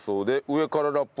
上からラップ？